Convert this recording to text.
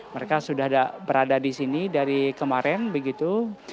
mereka sudah berada di sini dari kemarin begitu